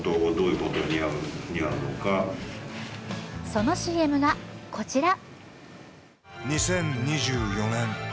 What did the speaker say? そのＣＭがこちら。